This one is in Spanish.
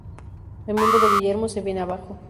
El mundo de Guillermo se viene abajo.